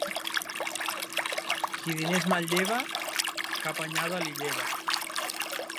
Qui diners manlleva, cap anyada li lleva.